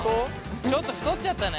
ちょっと太っちゃったね。